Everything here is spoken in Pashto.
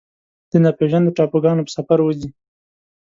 د ناپیژاندو ټاپوګانو په سفر وځي